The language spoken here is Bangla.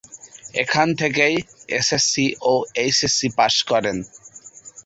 এখান থেকেই এসএসসি ও এইচএসসি পাস করেন।